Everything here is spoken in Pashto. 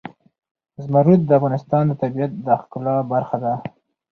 زمرد د افغانستان د طبیعت د ښکلا برخه ده.